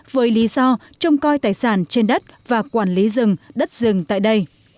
với lý do trông coi tài sản trên đất và quản lý rừng đất rừng tại đây